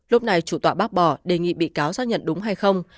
lúc này chủ tọa bác bỏ đề nghị bị cáo xác nhận đúng hay không